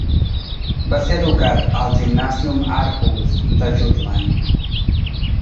Va ser educat al Gymnasium Aarhus de Jutland.